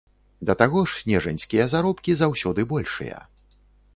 Да таго ж снежаньскія заробкі заўсёды большыя.